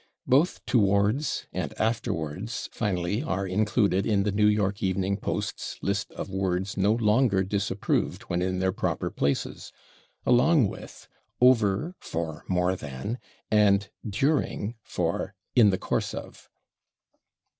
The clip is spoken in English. " Both /towards/ and /afterwards/, finally, are included in the /New York Evening Post's/ list of "words no longer disapproved when in their proper places," along with /over/ for /more than/, and /during/ for /in the course of